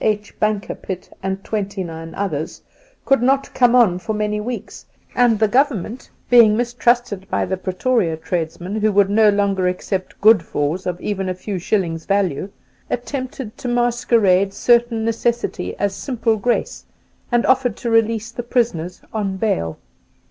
H. Bankerpitt and Twenty nine Others ' could not come on for many weeks, and the Government, being mistrusted by the Pretoria tradesmen, who would no longer accept ' goodfors ' of even a few shillings value, attempted to mas querade stern necessity as simple grace, and offered to release the prisoners on bail.